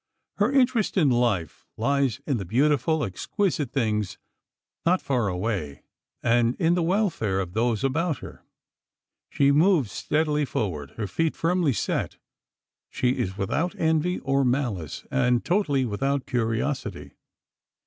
Her interest in life lies in the beautiful, exquisite things not far away, and in the welfare of those about her. She moves steadily forward, her feet firmly set. She is without envy, or malice, and totally without curiosity.